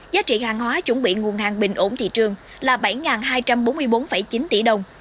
giá trị hàng hóa chuẩn bị nguồn hàng bình ổn thị trường là bảy hai trăm bốn mươi bốn chín tỷ đồng